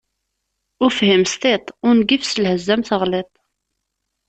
Ufhim s tiṭ, ungif s lhezz am teɣliḍt.